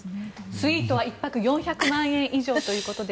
スイートは１泊４００万円以上ということです。